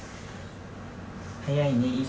早いね。